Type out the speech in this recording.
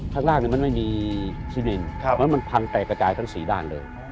ข้างล่างนี่มันไม่มีชินินมันพังแตกกระจายทั้งสี่ด้าน